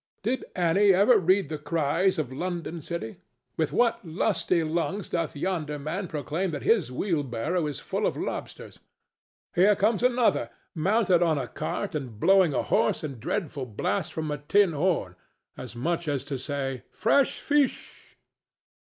Did Annie ever read the cries of London city? With what lusty lungs doth yonder man proclaim that his wheelbarrow is full of lobsters! Here comes another, mounted on a cart and blowing a hoarse and dreadful blast from a tin horn, as much as to say, "Fresh fish!"